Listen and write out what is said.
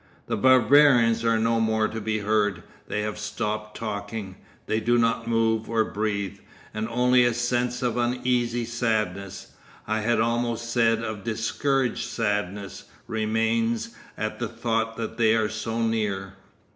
The barbarians are no more to be heard; they have stopped talking; they do not move or breathe; and only a sense of uneasy sadness, I had almost said of discouraged sadness, remains, at the thought that they are so near.